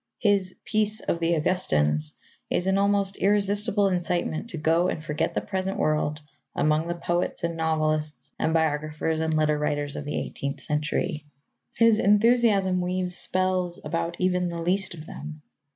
His Peace of the Augustans is an almost irresistible incitement to go and forget the present world among the poets and novelists and biographers and letter writers of the eighteenth century. His enthusiasm weaves spells about even the least of them.